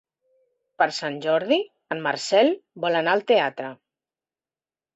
Per Sant Jordi en Marcel vol anar al teatre.